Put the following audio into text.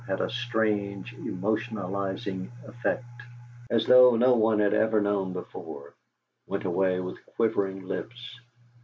had a strange, emotionalising effect, as though no one had ever known before, went away with quivering lips.